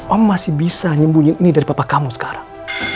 om masih bisa nyembunyiin ini dari papa kamu sekarang